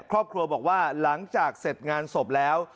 ครอบครัวบอกว่าหลังจากเสร็จงานศพแล้ว